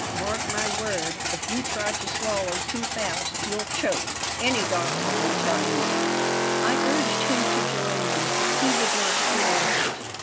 Mark my word, if you try to swallow too fast you'll choke. Any doctor will tell you that." I urged him to join me, but he would not hear of it.